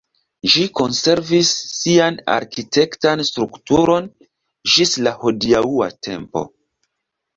Ĝi konservis sian arkitektan strukturon ĝis la hodiaŭa tempo.